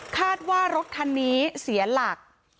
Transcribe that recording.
คาดว่ารถคันนี้เสียหลัก